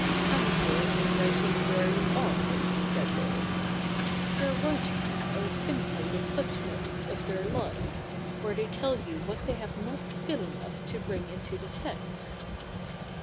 ' Amateurs in writing rarely are,' said Laurence. ' Their writings are simply the foot notes of their lives, where they tell you what they have not skill enough to bring into the text.'